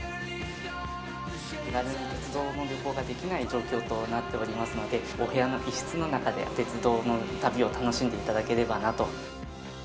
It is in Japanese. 気軽に鉄道旅行ができない状況となっておりますので、お部屋の一室の中で鉄道の旅を楽しんでいただければなと。